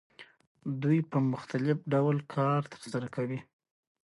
دوه کسان په ورته دنده کې په ډېر مختلف ډول چارې ترسره کوي.